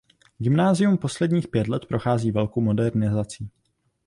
Gymnázium posledních pět let prochází velkou modernizací.